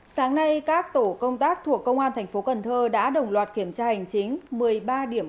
sáng nay các tổ công tác thuộc công an tp cn đã đồng loạt kiểm tra hành chính một mươi ba điểm